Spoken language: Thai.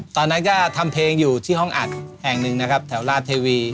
ตอนนั้นก็ทำเพลงอยู่ที่ห้องอัดแห่งหนึ่งนะครับแถวราชเทวี